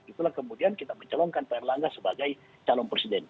itulah kemudian kita mencalonkan pak erlangga sebagai calon presiden